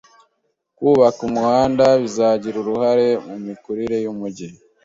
Kubaka umuhanda bizagira uruhare mu mikurire yumujyi.